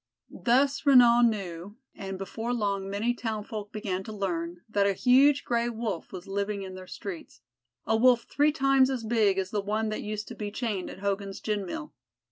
Thus Renaud knew, and before long many townfolk began to learn, that a huge Gray wolf was living in their streets, "a Wolf three times as big as the one that used to be chained at Hogan's gin mill."